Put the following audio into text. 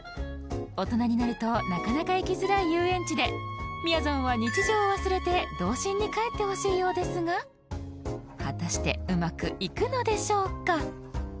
大人になるとなかなか行きづらい遊園地でみやぞんは日常を忘れて童心にかえってほしいようですが果たしてうまくいくのでしょうか？